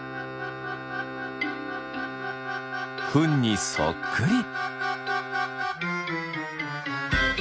フンにそっくり。